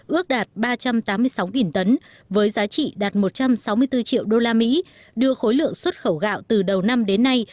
ước đạt ba trăm tám mươi sáu tấn với giá trị đạt một trăm sáu mươi bốn triệu usd đưa khối lượng xuất khẩu gạo từ đầu năm đến nay